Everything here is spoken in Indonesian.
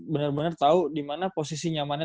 bener bener tau dimana posisi nyamannya